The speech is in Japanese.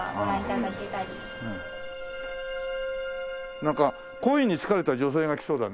なんか恋に疲れた女性が来そうだね。